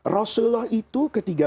rasulullah itu ketika